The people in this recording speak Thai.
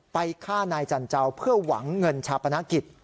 ฆ่านายจันเจ้าเพื่อหวังเงินชาปนกิจ